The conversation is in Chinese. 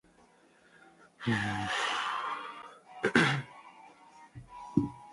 建筑材料以砖为多见。